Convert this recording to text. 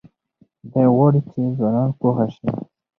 دی غواړي چې ځوانان پوه شي.